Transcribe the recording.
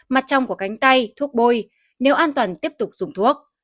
mặt trong của cánh tay thuốc bôi nếu an toàn tiếp tục dùng thuốc